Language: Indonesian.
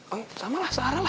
oh sama lah sarah lah